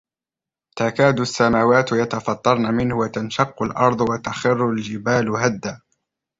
تَكَادُ السَّمَاوَاتُ يَتَفَطَّرْنَ مِنْهُ وَتَنْشَقُّ الْأَرْضُ وَتَخِرُّ الْجِبَالُ هَدًّا